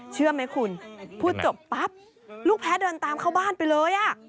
เชื่อไหมคุณพูดจบปั๊บลูกแพ้เดินตามเข้าบ้านไปเลย